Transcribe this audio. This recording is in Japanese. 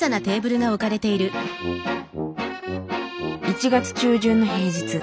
１月中旬の平日。